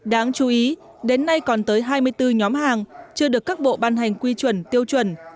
đáng chú ý đến nay còn tới hai mươi bốn nhóm hàng chưa được các bộ ban hành quy chuẩn tiêu chuẩn